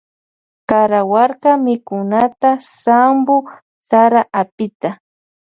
Karawarka mikunata sanwu sara apita.